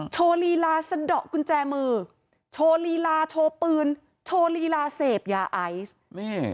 โชว์ลีลาสะดอกกุญแจมือโชว์ลีลาโชว์ปืนโชว์ลีลาเสพยาไอซ์นี่